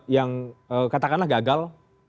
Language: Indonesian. yang katakanlah gagal